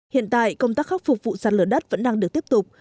hiện tại công tác khắc phục vụ giặt lửa đất vẫn đang được tiếp tục